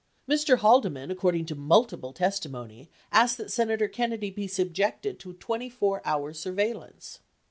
57 Mr. Haldeman, according to multiple testimony, asked that Senator Kennedy be subjected to 24 hour surveillance.